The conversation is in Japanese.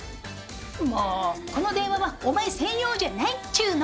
もうこの電話はお前専用じゃないっちゅの。